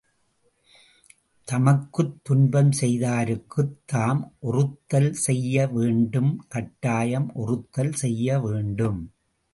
தமக்குத் துன்பம் செய்தாருக்குத் தாம் ஒறுத்தல் செய்ய வேண்டும் கட்டாயம் ஒறுத்தல் செய்ய வேண்டும்.